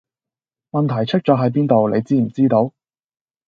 問題出左係邊度你知唔知道?